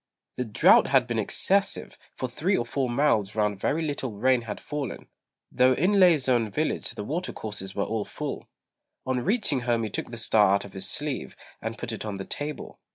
The drought had been excessive; for three or four miles round very little rain had fallen, though in Lê's own village the water courses were all full. On reaching home he took the star out of his sleeve, and put it on the table.